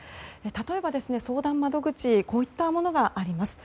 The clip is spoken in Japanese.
例えば、相談窓口こういったものがあります。